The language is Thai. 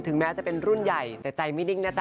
แม้จะเป็นรุ่นใหญ่แต่ใจไม่ดิ้งนะจ๊